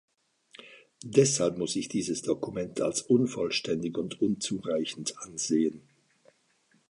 Deshalb muss ich dieses Dokument als unvollständig und unzureichend ansehen.